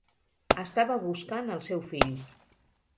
Estava buscant el seu fill.